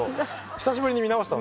久しぶりに見直した。